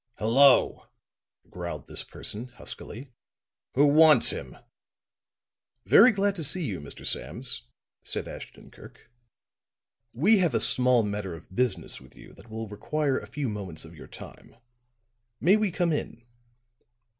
"Hello," growled this person, huskily. "Who wants him?" "Very glad to see you, Mr. Sams," said Ashton Kirk. "We have a small matter of business with you that will require a few moments of your time. May we come in?"